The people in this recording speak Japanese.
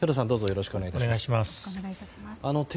どうぞよろしくお願い致します。